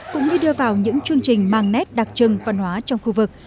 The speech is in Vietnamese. cũng như đưa vào những chương trình mang nét đặc trưng văn hóa trong khu vực